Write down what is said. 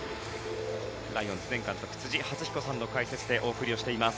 ライオンズ前監督辻発彦さんの解説でお送りしています。